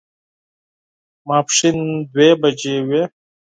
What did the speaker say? ماسپښين دوه بجې وې.